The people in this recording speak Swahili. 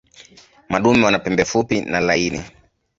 Madume wana pembe fupi na laini.